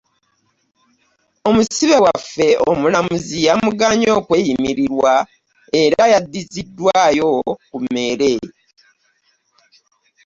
Omusibe waffe omulamuzi yamugaanyi okweyimirirwa era yazziddwaayo ku meere.